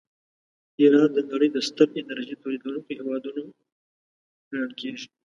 ایران د نړۍ د ستر انرژۍ تولیدونکي هېوادونه ګڼل کیږي.